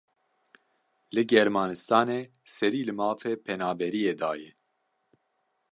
Li Germanistanê serî li mafê penaberiyê daye.